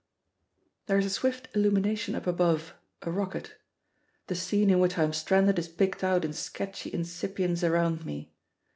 There is a swift illumination up above a rocket. The scene in which I am stranded is picked out in sketchy incipience around me.